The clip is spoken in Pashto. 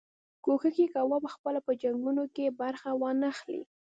کوښښ یې کاوه پخپله په جنګونو کې برخه وانه خلي.